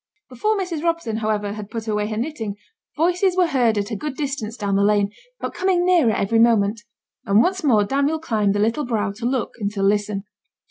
Before Mrs. Robson, however, had put away her knitting, voices were heard at a good distance down the lane, but coming nearer every moment, and once more Daniel climbed the little brow to look and to listen.